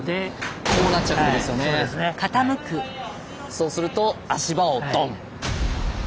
そうすると足場をドン。